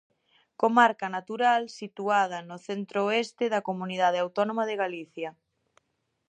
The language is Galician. Comarca natural situada no centro-oeste da Comunidade Autónoma de Galicia.